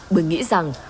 bởi nghĩ rằng